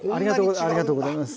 ありがとうございます。